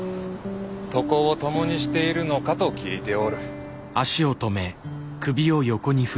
床を共にしているのかと聞いておる。